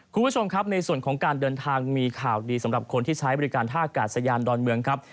คุณผู้ชมครับในส่วนของการเดินทางมีข่าวดีสำหรับคนที่ใช้บริการท่ากาศยานดอนเมืองครับ